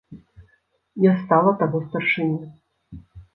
Не стала таго старшыні.